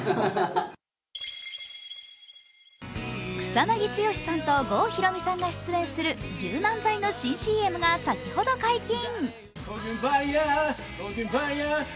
草なぎ剛さんと郷ひろみさんが出演する柔軟剤の新ＣＭが先ほど解禁。